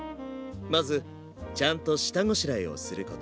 まずちゃんと下ごしらえをすること。